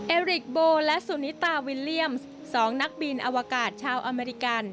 เอริกโบและสุนิตาวิลเลี่ยมส์๒นักบินอวกาศชาวอเมริกัน